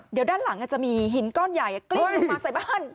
เดี๋ยวด้านหลังจะมีหินก้อนใหญ่กลิ้งออกมาใส่บ้าน